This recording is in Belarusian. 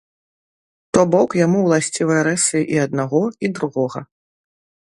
То бок, яму ўласцівыя рысы і аднаго і другога.